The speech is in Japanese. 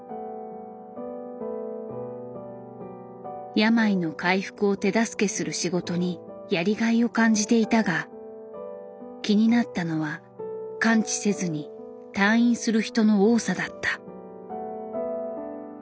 病の回復を手助けする仕事にやりがいを感じていたが気になったのは完治せずに退院する人の多さだった。